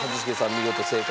見事正解。